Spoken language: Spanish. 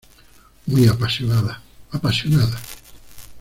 muy apasionada. apasionada.